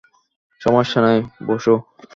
সমস্যা নেই, বসো।